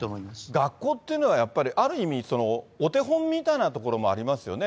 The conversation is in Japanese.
学校っていうのはやっぱり、ある意味、お手本みたいなところもありますよね。